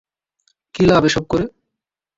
কি লাভ এসব করে?